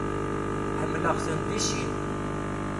Ḥemmleɣ-ten di sin.